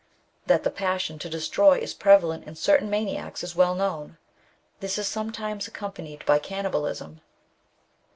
That the passion to destroy is prevalent in certain maniacs is well known ; this is sometimes accompanied by cannibalism.